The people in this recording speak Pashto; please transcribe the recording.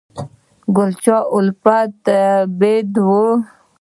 ګل پاچا الفت بیده و